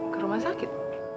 ke rumah sakit